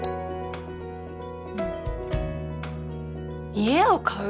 家を買う！？